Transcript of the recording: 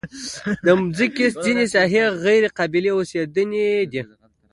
د مځکې ځینې ساحې غیر قابلې اوسېدنې دي.